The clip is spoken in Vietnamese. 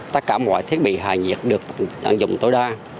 tất cả mọi thiết bị hạ nhiệt được tận dụng tối đa